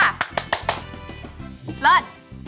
เสร็จ